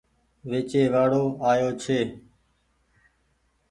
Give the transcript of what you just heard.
ويچي وآڙو آيو ڇي۔